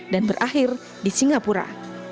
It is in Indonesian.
dan berakhir di singapura